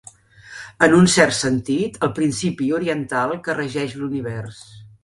En un cert sentit, el principi oriental que regeix l'univers.